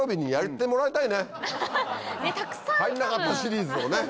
入んなかったシリーズとかね。